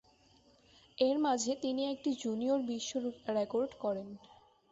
এর মাঝে তিনি একটি জুনিয়র বিশ্ব রেকর্ড করেন।